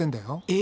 え？